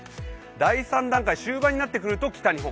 第３段階、終盤になってくると北日本。